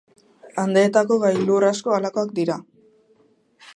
Andeetako gailur asko halakoak dira.